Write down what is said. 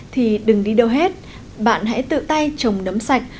thì đừng đi đâu hết bạn hãy tự tay trồng nấm sạch